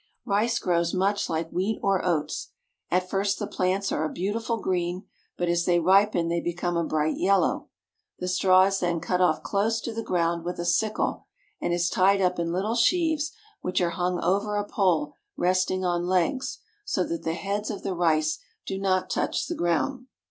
Rice grows much like wheat or oats. At first the plants are a beautiful green, but as they ripen they become a bright yellow. The straw is then cut off close to the ground with a sickle, and is tied up in Httle sheaves which are hung over a pole resting on legs, so that the heads of the rice do not touch the ground.